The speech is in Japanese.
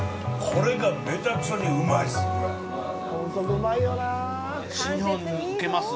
これが、めちゃくちゃにうまいっす。